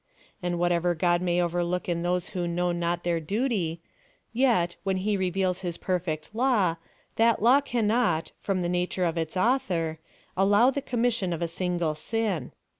And what ever God may overlook in those who know not their duty, yet, when he reveals his perfect law, that law cannot, from the nature of its Author, allow the commission of a single sin.